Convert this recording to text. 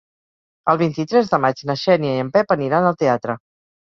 El vint-i-tres de maig na Xènia i en Pep aniran al teatre.